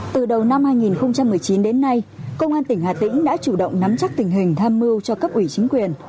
từ đầu năm hai nghìn một mươi chín đến nay công an tỉnh hà tĩnh đã chủ động nắm chắc tình hình tham mưu cho cấp ủy chính quyền